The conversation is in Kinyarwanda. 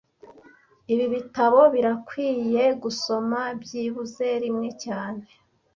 Ibi bitabo birakwiye gusoma byibuze rimwe cyane